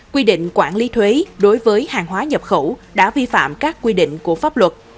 quy định quản lý thuế đối với hàng hóa nhập khẩu đã vi phạm các quy định của pháp luật